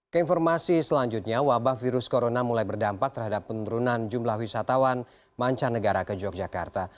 keinformasi selanjutnya wabah virus corona mulai berdampak terhadap penurunan jumlah wisatawan mancanegara ke yogyakarta